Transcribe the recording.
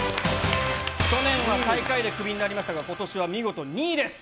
去年は最下位でクビになりましたが、ことしは見事２位です。